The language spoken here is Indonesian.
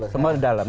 semua di dalam